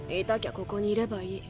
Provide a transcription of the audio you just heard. ここにいればいい。